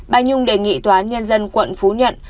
bà nhung đề nghị tòa toán nhân dân quận phú nhận